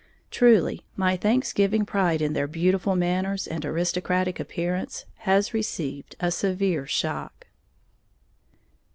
Truly my Thanksgiving pride in their beautiful manners and aristocratic appearance has received a severe shock!